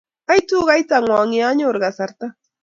Aitu kaitang'wong' ye anyoru kasarta